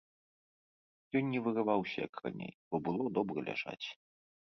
Ён не вырываўся, як раней, бо было добра ляжаць.